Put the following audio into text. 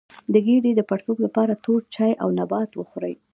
د ګیډې د پړسوب لپاره تور چای او نبات وخورئ